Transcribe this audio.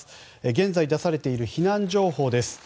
現在、出されている避難情報です。